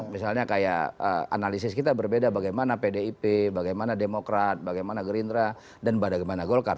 misalnya kayak analisis kita berbeda bagaimana pdip bagaimana demokrat bagaimana gerindra dan bagaimana golkar